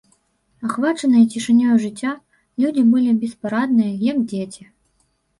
Ахвачаныя цішынёю жыцця, людзі былі беспарадныя, як дзеці.